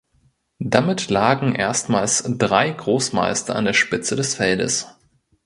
Damit lagen erstmals drei Großmeister an der Spitze des Feldes.